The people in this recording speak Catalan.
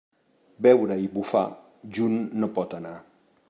Beure i bufar, junt no pot anar.